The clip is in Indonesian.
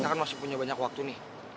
kita kan masih punya banyak waktu nih